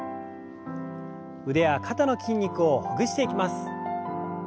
腕や肩の筋肉をほぐしていきます。